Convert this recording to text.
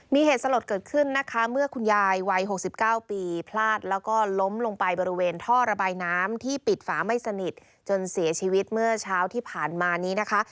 มีเหตุสลดเกิดขึ้นนะคะเมื่อคุณยายวัย๖๙ปีพลาดแล้วก็ล้มลงไปบริเวณท่อระบายน้ำที่ปิดฝาไม่สนิทจนเสียชีวิตเมื่อเช้าที่ผ่านมานี้นะคะ